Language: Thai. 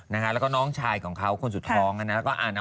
อัปเดตอาการกันหน่อยดีไหม